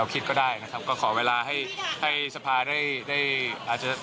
ถ้าเทียบกับรอบหนึ่งมันก็มีเวลาในการที่เราจะชูลิกษา